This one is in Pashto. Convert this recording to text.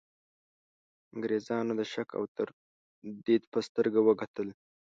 انګرېزانو د شک او تردید په سترګه وکتل.